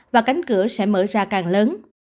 và cánh cửa sẽ mạnh mẽ hơn